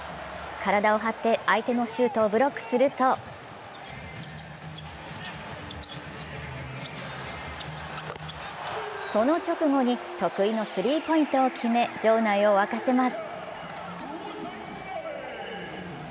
体を張って相手のシュートをブロックするとその直後で得意のスリーポイントを決め、場内を沸かせます。